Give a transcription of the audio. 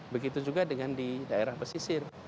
begitu juga dengan di daerah pesisir